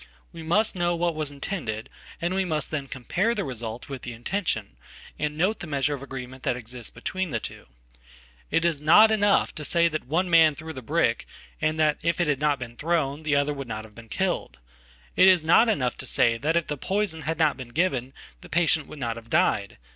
We must know what was intended, and we must then compare the resultwith the intention, and note the measure of agreement that existsbetween the two. It is not enough to say that one man threw thebrick, and that, if it had not been thrown, the other would nothave been killed. It is not enough to say if the poison had notbeen given the patient would not have died.